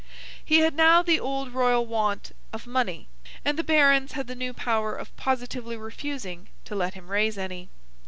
He had now the old Royal want—of money—and the Barons had the new power of positively refusing to let him raise any.